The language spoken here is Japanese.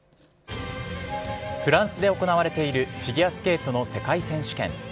フランスで行われているフィギュアスケートの世界選手権。